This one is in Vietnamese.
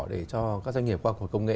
để cho các doanh nghiệp khoa học công nghệ